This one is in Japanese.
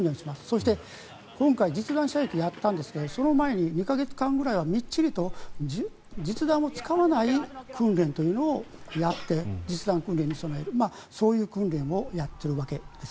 そして、今回実弾射撃をやったんですがその前に２か月間くらいみっちりと実弾を使わない訓練というのをやって実弾訓練に備えるそういう訓練をやっているわけです。